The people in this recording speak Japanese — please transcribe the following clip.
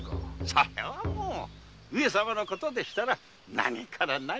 それはもう上様のことでしたら何から何まで。